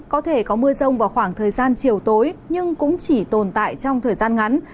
có thể có mưa rông vào khoảng thời gian chiều tối nhưng cũng chỉ tồn tại trong thời gian ngắn